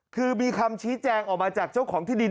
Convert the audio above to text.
คือมีคำชี้แจงออกมาจากเจ้าของที่ดิน